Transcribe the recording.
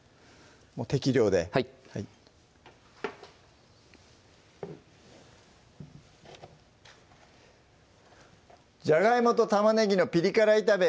適量ではい「ジャガイモと玉ねぎのピリ辛炒め」